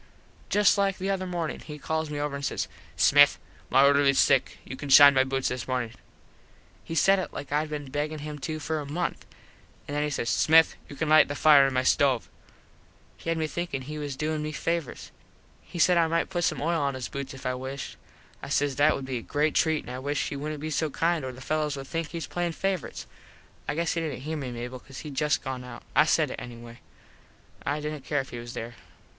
Just like the other mornin he calls me over an says, "Smith, my orderlies sick. You can shine my boots this mornin." He said it like Id been beggin him to for a month. An then he says, "Smith you can lite the fire in my stove." He had me thinkin he was doin me favors. He said I might put some oil on his boots if I wished. I says that would be a great treat an I wished he wouldnt be so kind or the fellos would think he was playin favorites. I guess he didnt here me Mable cause hed just gone out. I said it anyway. I didnt care if he wasnt there.